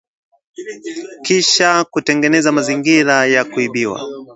kisha kutengeneza mazingira ya kuibiwa